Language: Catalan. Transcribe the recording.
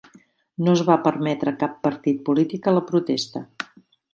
No es va permetre cap partit polític a la protesta.